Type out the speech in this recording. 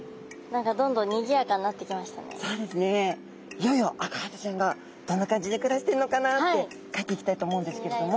いよいよアカハタちゃんがどんな感じで暮らしているのかなって描いていきたいと思うんですけれども。